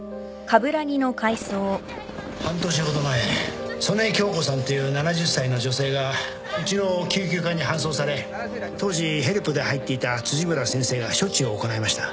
半年ほど前曽根京子さんという７０歳の女性がうちの救急科に搬送され当時ヘルプで入っていた辻村先生が処置を行いました。